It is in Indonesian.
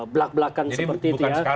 belak belakan seperti itu jadi bukan sekarang